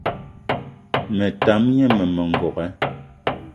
Me tam gne mmema n'gogué